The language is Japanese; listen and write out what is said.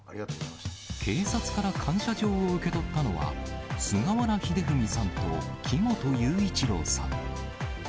警察から感謝状を受け取ったのは、菅原英文さんと木本雄一朗さん。